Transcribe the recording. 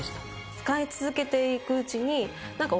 使い続けていくうちに。